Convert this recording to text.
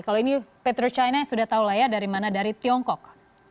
kalau ini petrochina sudah tahu lah ya dari mana dari tiongkok